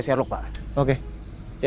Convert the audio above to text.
kau mau lihat kesana